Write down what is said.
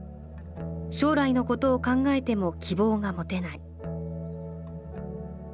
将来のことを考えても希望が持てない」。